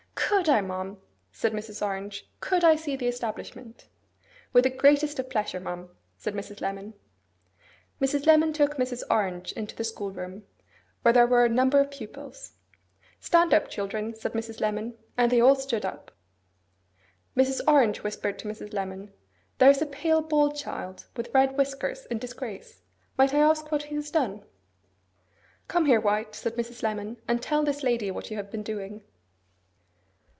'Could I, ma'am,' said Mrs. Orange,—'could I see the establishment?' 'With the greatest of pleasure, ma'am,' said Mrs. Lemon. Mrs. Lemon took Mrs. Orange into the schoolroom, where there were a number of pupils. 'Stand up, children,' said Mrs. Lemon; and they all stood up. Mrs. Orange whispered to Mrs. Lemon, 'There is a pale, bald child, with red whiskers, in disgrace. Might I ask what he has done?' 'Come here, White,' said Mrs. Lemon, 'and tell this lady what you have been doing.